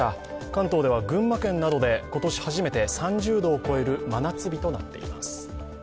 関東では群馬県などで今年初めて３０度を超える真夏日となっています。